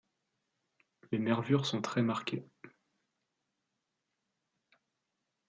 Les nervures sont très marquées.